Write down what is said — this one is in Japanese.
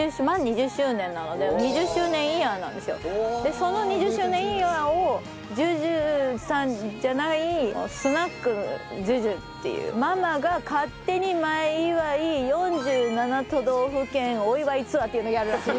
その２０周年イヤーをＪＵＪＵさんじゃないスナックＪＵＪＵっていうママが勝手に前祝い４７都道府県お祝いツアーっていうのをやるらしい。